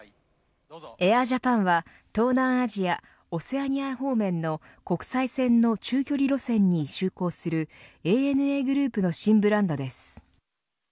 ＡｉｒＪａｐａｎは東南アジアオセアニア方面の国際線の中距離路線に就航するＡＮＡグループの新ブランドです。